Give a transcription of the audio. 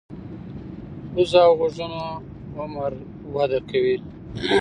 پوزه او غوږونه عمر وده کوي.